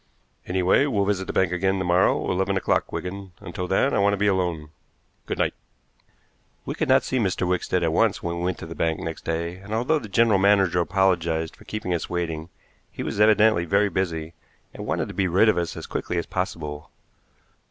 "Anyway, we'll visit the bank again to morrow. Eleven o'clock, Wigan. Until then I want to be alone. Good night!" We could not see Mr. Wickstead at once when we went to the bank next day, and although the general manager apologized for keeping us waiting, he was evidently very busy, and wanted to be rid of us as quickly as possible.